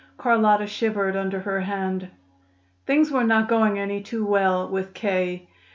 Carlotta shivered under her hand. Things were not going any too well with K.